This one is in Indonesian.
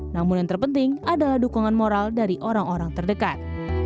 namun yang terpenting adalah dukungan moral dari orang orang terdekat